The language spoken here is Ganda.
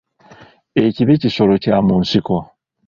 Ekibe kisolo kya mu nsiko.